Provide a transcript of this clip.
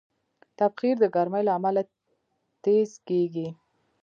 تبخیر د ګرمۍ له امله تېز کېږي.